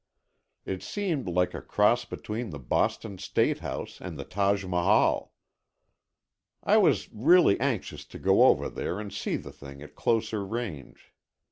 It seemed like a cross between the Boston State House and the Taj Mahal. I was really anxious to go over there and see the thing at closer range.